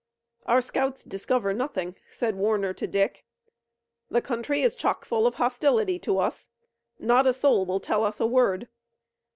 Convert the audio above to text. "Our scouts discover nothing," said Warner to Dick. "The country is chockfull of hostility to us. Not a soul will tell us a word.